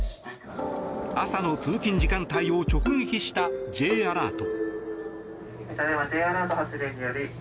朝の通勤時間帯を直撃したＪアラート。